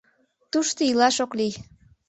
Тушто илаш ок лий.